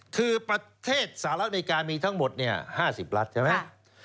คือประเทศสหรัฐอเมริกามีทั้งหมด๕๐รัฐใช่ไหม